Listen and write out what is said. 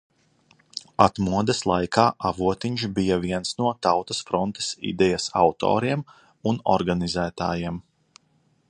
Atmodas laikā Avotiņš bija viens no Tautas frontes idejas autoriem un organizētājiem.